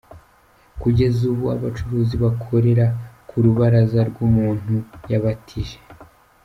Kugeza ubu abacuruzi bakorera k’urubaraza rw’umuntu yabatije.